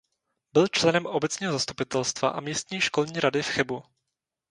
Byl členem obecního zastupitelstva a místní školní rady v Chebu.